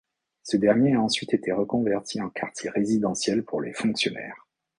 Ce dernier a ensuite été reconverti en quartier résidentiel pour les fonctionnaires.